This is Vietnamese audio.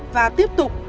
và tiếp tục